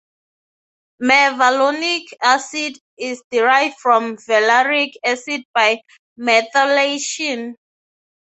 Mevalonic acid is derived from valeric acid by methylation.